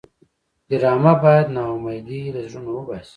ډرامه باید ناامیدي له زړونو وباسي